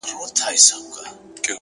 هره لحظه د نوې پرېکړې فرصت دی.!